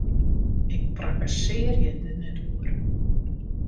Ik prakkesearje der net oer!